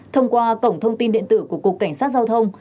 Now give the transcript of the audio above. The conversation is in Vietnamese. thông qua cổng thông tin điện tử của cục cảnh sát giao thông